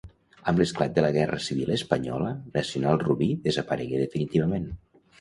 Amb l'esclat de la guerra civil espanyola, Nacional Rubí desaparegué definitivament.